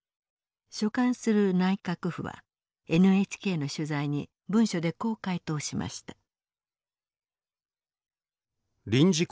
所管する内閣府はＮＨＫの取材に文書でこう回答しました。